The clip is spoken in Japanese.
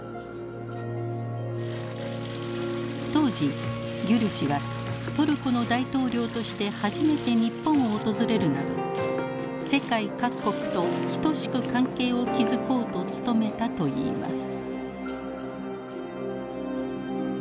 当時ギュル氏はトルコの大統領として初めて日本を訪れるなど世界各国と等しく関係を築こうと努めたといいます。